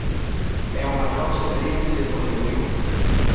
É unha rocha carente de foliación.